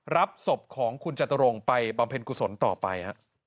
รับศพของคุณจตุรงค์ไปบำเพ็ญกุศลต่อไป